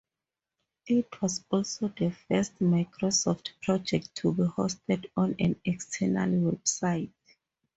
It was also the first Microsoft project to be hosted on an external website.